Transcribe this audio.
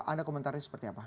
ada komentarnya seperti apa